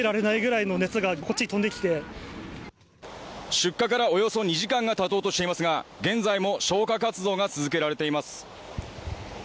出火から、およそ２時間が経とうとしていますが現在も消火活動が続けられています。